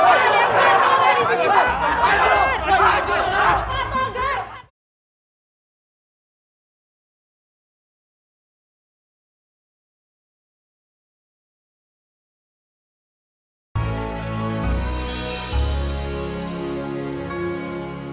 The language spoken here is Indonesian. gak ada apaan